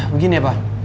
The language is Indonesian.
begini ya pak